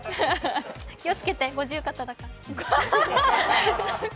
気をつけて、五十肩だから。